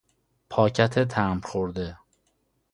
پاکت تمبر خورده